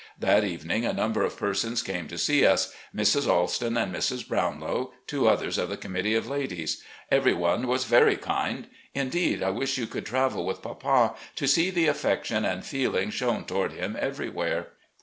That evening a number of persons came to see us, Mrs. Alston and Miss Brownlow, two others of the com mittee of ladies. Every one was very kind. Indeed, I wish you could travel with papa, to see the affection and feeling shown toward him everywhere.